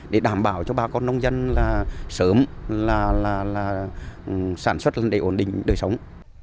để đảm bảo cho bà con nông dân là sớm sản xuất để ổn định đời sống